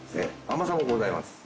甘さもございます。